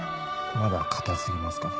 まだ硬すぎますかね？